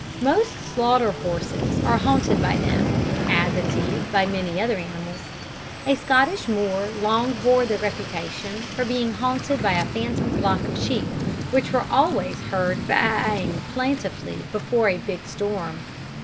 Most slaughter houses are haunted by them as, indeed, by many other animals. A Scottish moor long bore the reputation for being haunted by a phantom flock of sheep, which were always heard "baaing" plaintively before a big storm.